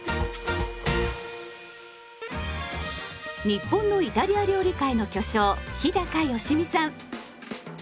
日本のイタリア料理界の巨匠日良実さん。